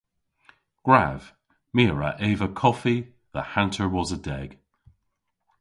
Gwrav! My a wra eva koffi dhe hanter wosa deg.